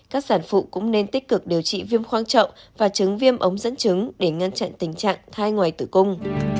các sản phụ cũng nên tích cực điều trị viêm khoang trọng và trứng viêm ống dẫn trứng để ngăn chặn tình trạng thai ngoài tứ cung